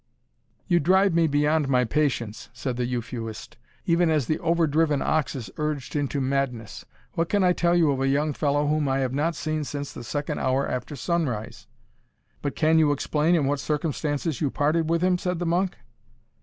"You drive me beyond my patience," said the Euphuist, "even as the over driven ox is urged into madness! What can I tell you of a young fellow whom I have not seen since the second hour after sunrise?" "But can you explain in what circumstances you parted with him?" said the monk.